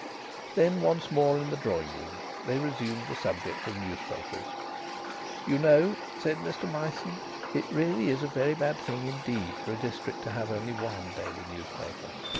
Then, once more in the drawing room, they resumed the subject of newspapers. "You know," said Mr Myson, "it's really a very bad thing indeed for a district to have only one daily newspaper.